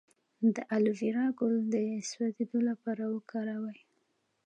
د الوویرا ګل د سوځیدو لپاره وکاروئ